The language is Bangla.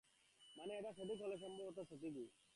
মানে, এটা সঠিক মনে হলে, সম্ভবত সঠিকই।